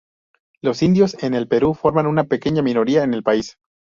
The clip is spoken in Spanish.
Los indios en el Perú forman una pequeña minoría en el país.